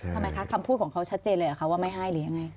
ทำไมคะคำพูดของเขาชัดเจนเลยเหรอคะว่าไม่ให้หรือยังไง